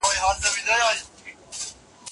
چي يې غړي تښتول د رستمانو